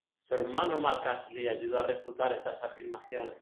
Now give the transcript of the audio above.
Su hermano Mark Astley ayudó a refutar estas afirmaciones.